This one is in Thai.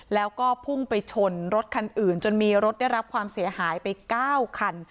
แล้วก็พุ่งไปชนรถคันอื่นจนมีรถได้รับความเสียหายไป๙คัน